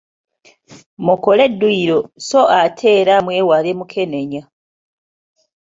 Mukole dduyiro so ate era mwewale mukenenya.